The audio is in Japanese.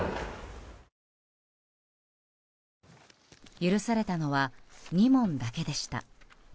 許されたのは２問だけでした。